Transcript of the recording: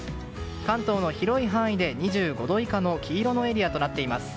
関東の広い範囲で２５度以下の黄色のエリアとなっています。